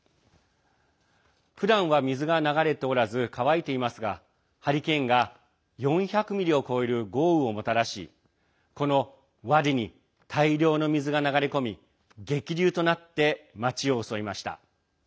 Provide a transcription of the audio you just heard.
ふだんは水が流れておらず乾いていますがハリケーンが４００ミリを超える豪雨をもたらしこのワディに大量の水が流れ込み激流となって町を襲いました。